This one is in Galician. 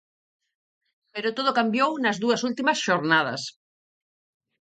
Pero todo cambiou nas dúas últimas xornadas.